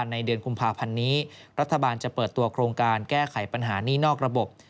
ในเดือนกุมภาพันธ์นี้รัฐบาลจะเปิดตัวโครงการแก้ไขปัญหานี่นอกระบบ